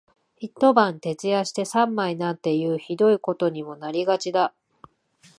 一晩徹夜して三枚なんていう酷いことにもなりがちだ